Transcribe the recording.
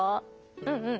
うんうん。